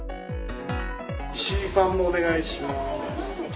・石井さんもお願いします。